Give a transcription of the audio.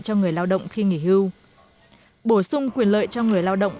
cho người lao động khi nghỉ hưu bổ sung quyền lợi cho người lao động